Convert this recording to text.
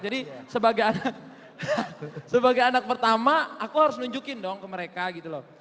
jadi sebagai anak pertama aku harus nunjukin dong ke mereka gitu loh